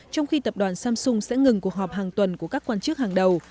trong khi tập đoàn samsung sẽ ngừng cuộc họp hàng tuần của các quan chức hàng đầu